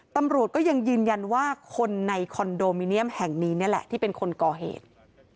ตำรวจก็ยังยืนยันว่าคนในคอนโดมิเนียมแห่งนี้นี่แหละที่เป็นคนก่อเหตุ